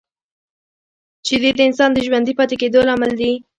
شیدې د انسان د ژوندي پاتې کېدو لامل دي